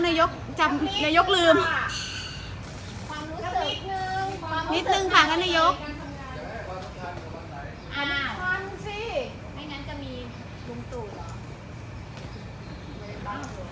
นายยกอย่ายกลืมนิดนึงค่ะนายยก